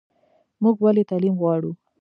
موږ ولې تعلیم غواړو؟